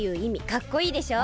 かっこいいでしょ？